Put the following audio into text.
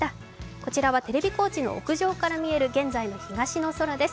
こちらはテレビ高知の屋上から見える現在の東の空です。